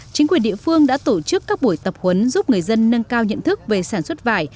chính quyền địa phương đã tổ chức các buổi tập huấn giúp người dân nâng cao nhận thức về sản xuất vải